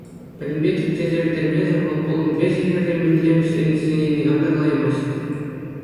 Пӗтӗмпе тӗпчесе пӗтермесӗр вӑл пулӑм вӗҫӗ-хӗрри мӗнле вӗҫленессине никам та калаймасть.